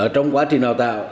trong quá trình đào tạo